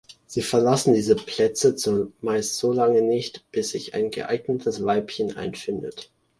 Sie verlassen diese Plätze zumeist so lange nicht, bis sich ein geeignetes Weibchen einfindet.